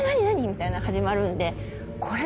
みたいな始まるんで。